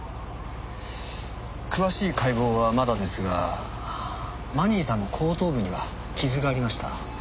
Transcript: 詳しい解剖はまだですがマニーさんの後頭部には傷がありました。